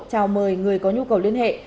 chào mời người có nhu cầu liên hệ